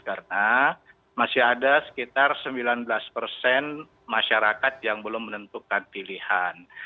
karena masih ada sekitar sembilan belas persen masyarakat yang belum menentukan pilihan